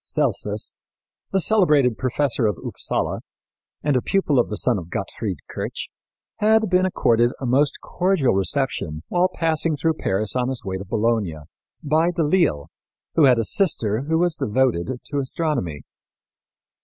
Celsus, the celebrated professor of Upsala, and a pupil of the son of Gottfried Kirch, had been accorded a most cordial reception, while passing through Paris on his way to Bologna, by De L'Isle who had a sister who was devoted to astronomy.